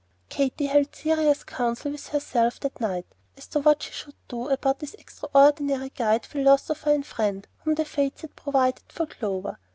Katy held serious counsel with herself that night as to what she should do about this extraordinary "guide, philosopher, and friend" whom the Fates had provided for Clover.